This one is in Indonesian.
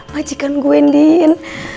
majikan gue andin